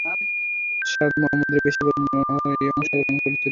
Sa'd মুহাম্মদের বেশিরভাগ লড়াইয়ে অংশগ্রহণ করেছিল।